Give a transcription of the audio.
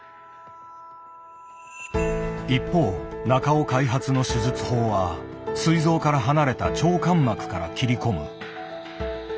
一方中尾開発の手術法はすい臓から離れた腸間膜から切り込む。